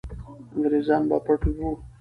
انګریزان به پټ وو.